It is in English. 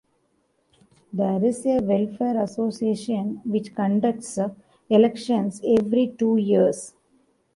There is a welfare association which conducts elections every two years.